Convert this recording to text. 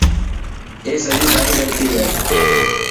اي سڄي تائن غلطي هي.